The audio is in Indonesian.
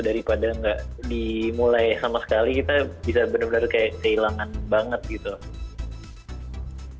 daripada gak dimulai sama sekali kita bisa bener bener kayak kehilangan banget gitu